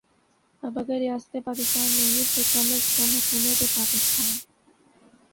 اب اگر ریاست پاکستان نہیں تو کم از کم حکومت پاکستان